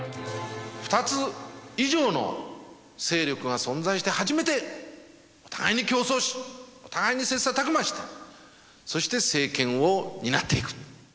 ２つ以上の勢力が存在して初めて互いに競争し、互いに切さたく磨して、そして政権を担っていく。